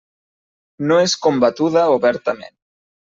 No és combatuda obertament.